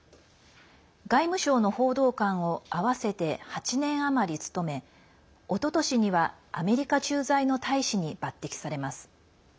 外務省の報道官を合わせて８年余り務めおととしには、アメリカ駐在の大使に抜てきされます。